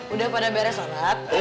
udah pada bene banget